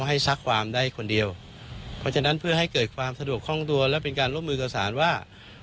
ให้มันมีความถูกคลอมตัวเป็นการรบมือกับสารว่า